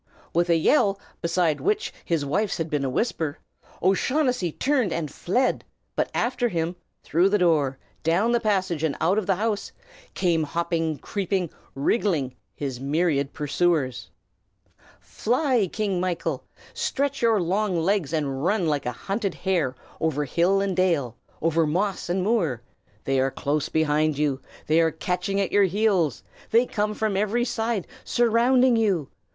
With a yell beside which his wife's had been a whisper, O'Shaughnessy turned and fled; but after him through the door, down the passage and out of the house came hopping, creeping, wriggling his myriad pursuers. Fly, King Michael! stretch your long legs, and run like a hunted hare over hill and dale, over moss and moor. They are close behind you; they are catching at your heels; they come from every side, surrounding you!